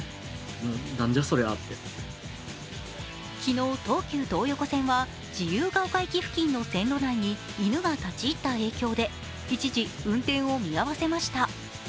昨日、東急東横線は自由が丘駅付近の線路内に犬が立ち入った影響で一時、運転を見合わせました。